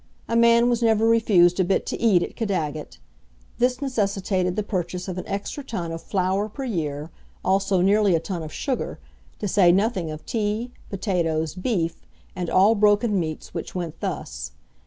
A man was never refused a bit to eat at Caddagat. This necessitated the purchase of an extra ton of flour per year, also nearly a ton of sugar, to say nothing of tea, potatoes, beef, and all broken meats which went thus.